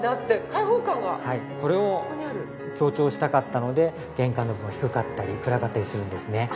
これを強調したかったので玄関のとこが低かったり暗かったりするんですね。